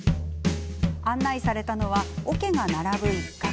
案内されたのはおけが並ぶ一角。